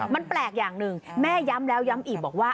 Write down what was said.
มันแปลกอย่างหนึ่งแม่ย้ำแล้วย้ำอีกบอกว่า